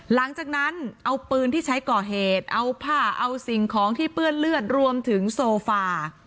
หลังจากนั้นเอาปืนที่ใช้ก่อเหตุเอาผ้าเอาสิ่งของที่เปื้อนเลือดรวมถึงโซฟา